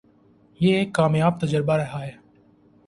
یہ ایک کامیاب تجربہ رہا ہے۔